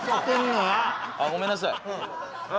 あごめんなさい